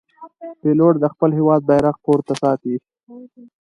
پیلوټ د خپل هېواد بیرغ پورته ساتي.